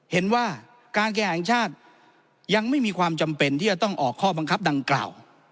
เห็นว่าการแข่งชาติยังไม่มีความจำเป็นที่จะต้องออกข้อบังคับดังกล่าว